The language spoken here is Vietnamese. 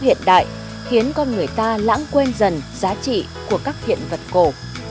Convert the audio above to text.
hiện đại khiến con người ta lãng quên dần giá trị của các hiện vật cổ